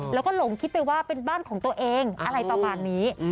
แล้วก็หลงคิดไปว่าเป็นบ้านของตัวเองอะไรประมาณนี้